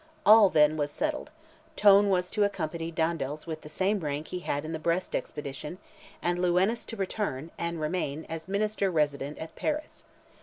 All then was settled: Tone was to accompany Dandaels with the same rank he had in the Brest expedition, and Lewines to return, and remain, as "Minister resident" at Paris.